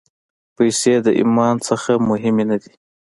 پېسې د ایمان نه مهمې نه دي.